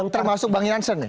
termasuk bang jansen ya